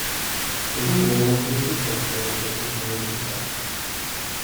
Jedním z nejmocnějších božstev je duch Měsíce.